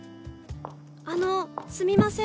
あのすみません。